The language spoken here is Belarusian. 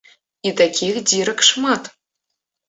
І такіх дзірак шмат.